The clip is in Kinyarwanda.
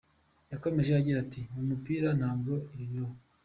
Yakomeje agira ati “Mu mupira ntabwo ibyo bibaho.